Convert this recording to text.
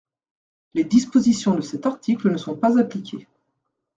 » Les dispositions de cet article ne sont pas appliquées.